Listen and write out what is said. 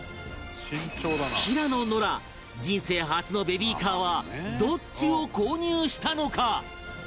平野ノラ人生初のベビーカーはどっちを購入したのか？